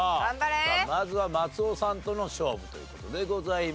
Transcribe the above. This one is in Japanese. まずは松尾さんとの勝負という事でございます。